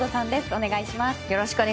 お願いします。